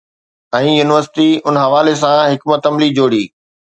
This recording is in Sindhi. ۽ يونيورسٽي ان حوالي سان حڪمت عملي جوڙي